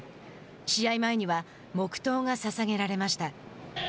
試合前には黙とうがささげられました。